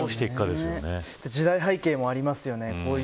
時代背景もありますよね。